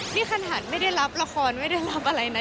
นี่ขนาดไม่ได้รับละครไม่ได้รับอะไรนะ